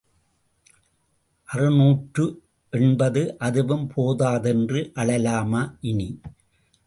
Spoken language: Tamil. அறுநூற்று எண்பது அதுவும் போதாதென்று அழலாமா இனி?